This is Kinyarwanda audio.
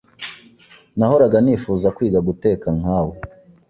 Nahoraga nifuza kwiga guteka nkawe.